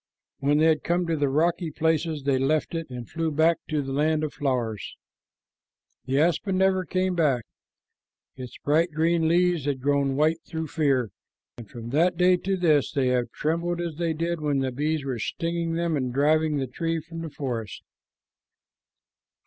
When they had come to the rocky places, they left it and flew back to the land of flowers. The aspen never came back. Its bright green leaves had grown white through fear, and from that day to this they have trembled as they did when the bees were stinging them and driving the tree from the forest.